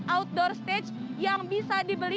outdoor stage yang bisa dibeli